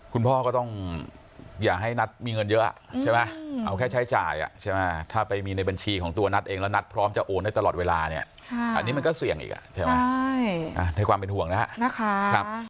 คุณพ่อก็ต้องอย่าให้นัทมีเงินเยอะใช่ไหมเอาแค่ใช้จ่ายใช่ไหมถ้าไปมีในบัญชีของตัวนัทเองแล้วนัทพร้อมจะโอนได้ตลอดเวลาเนี่ยอันนี้มันก็เสี่ยงอีกใช่ไหมให้ความเป็นห่วงนะครับ